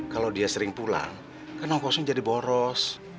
kalau dia sering pulang kenapa kosong jadi boros